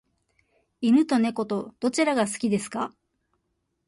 犬と猫とどちらが好きですか？